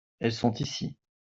elles sont ici.